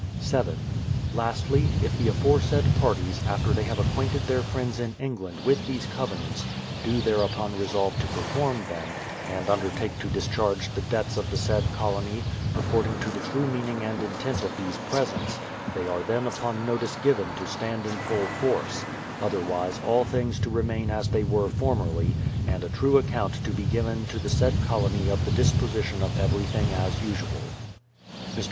7. Lastly, if the aforesaid parties, after they have acquainted their friends in England with these covenants, do thereupon resolve to perform them, and undertake to discharge the debts of the said colonj', according to the true meaning and intent of these presents, they are then upon notice given to stand in full force; otherwise all things to remain as they were formerly, and a true account to be given to the said colony of the disposition of everything as usual. Mr.